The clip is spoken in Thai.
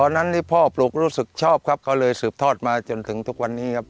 นั้นนี่พ่อปลูกรู้สึกชอบครับเขาเลยสืบทอดมาจนถึงทุกวันนี้ครับ